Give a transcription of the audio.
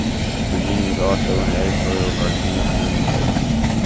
Regina was also an editorial cartoonist for the newspaper.